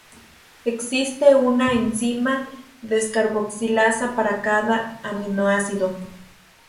Existe una enzima descarboxilasa para cada aminoácido.